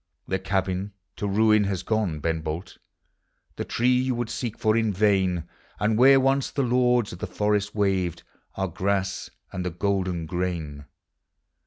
The cabin to ruin has gone, Ben Bolt, The tree vou would seek for in vain; And where once the lords of the forest waved Are grass and the golden grain.